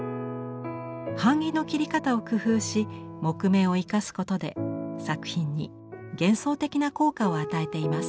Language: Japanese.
版木の切り方を工夫し木目を生かすことで作品に幻想的な効果を与えています。